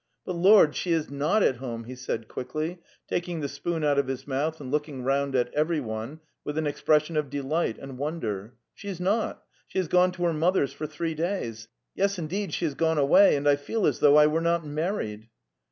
'But, Lord, she is not at home! "' he said quickly, taking the spoon out of his mouth and looking round at everyone with an expression of delight and won der. '' She is not; she has gone to her mother's for three days! Yes, indeed, she has gone away, and I feel as though I were not married.